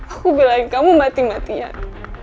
aku bilang kamu mati matian